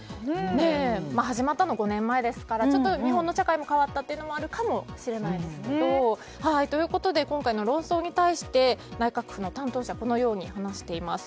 始まったのは５年前ですから日本の社会も変わったというのもあるかもしれないですね。ということで今回の論争に対して内閣府の担当者はこう話しています。